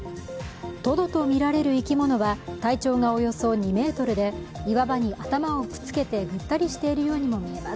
トドと見られる生き物は体長がおよそ２ｍで岩場に頭をくっつけて、ぐったりしているようにも見えます。